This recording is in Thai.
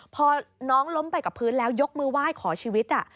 พอน้องล้มไปกับพื้นแล้วยกมือไหว้ขอชีวิต